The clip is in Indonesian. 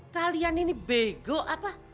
kalian ini bego apa